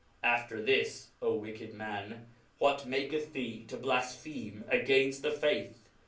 After this, fo wicked man J whatmaketh thee to blafpheme againft the Faith